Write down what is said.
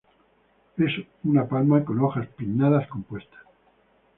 Es una palma con hojas pinnadas compuestas.